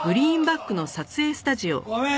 ごめん